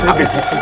eh aduh aduh aduh